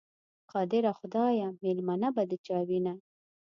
قادره خدایه، مېلمنه به د چا وینه؟